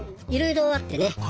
いろいろあってね